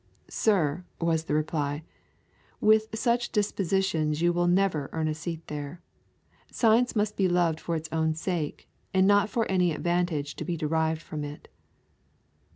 'Sir,' was the reply, 'with such dispositions you will never earn a seat there. Science must be loved for its own sake, and not for any advantage to be derived from it.'